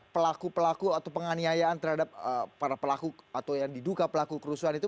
pelaku pelaku atau penganiayaan terhadap para pelaku atau yang diduga pelaku kerusuhan itu